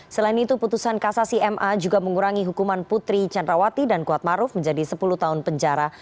selain itu putusan kasasi ma juga mengurangi hukuman putri candrawati dan kuatmaruf menjadi sepuluh tahun penjara